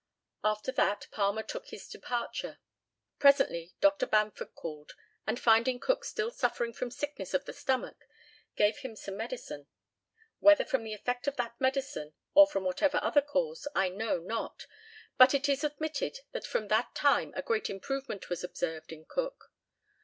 After that Palmer took his departure. Presently Dr. Bamford called, and, finding Cook still suffering from sickness of the stomach, gave him some medicine. Whether from the effect of that medicine, or from whatever other cause, I know not; but it is admitted that from that time a great improvement was observed in Cook.